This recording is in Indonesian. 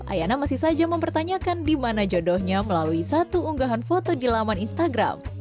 ayana masih saja mempertanyakan di mana jodohnya melalui satu unggahan foto di laman instagram